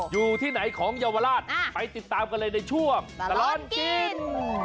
อยู่ที่ไหนของเยาวราชไปติดตามกันเลยในช่วงตลอดกิน